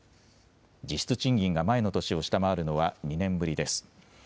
実質賃金が前の年を下回るのは２年ぶりです。